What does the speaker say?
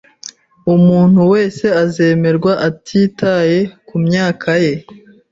Umuntu wese azemerwa atitaye ku myaka ye.